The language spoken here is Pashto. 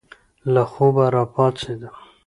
له خوبه را پاڅېدم.